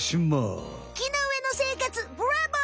木の上の生活ブラボー！